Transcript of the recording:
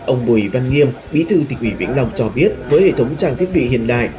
ông bùi văn nghiêm bí thư tỉnh ủy vĩnh long cho biết với hệ thống trang thiết bị hiện đại